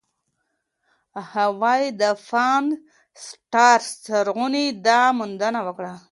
هاوايي د پان-سټارس څارخونې دا موندنه وکړه.